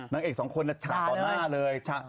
นางเอกสองคนเนี่ยฉะต่อหน้าเลยฉะ